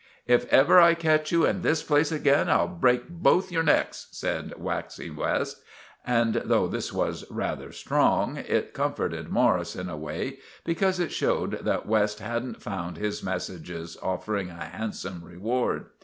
"If ever I catch you in this place again, I'll break both your necks," said Waxy West; and though this was rather strong, it comforted Morris in a way, becorse it showed that West hadn't found his messages offering a handsome reward.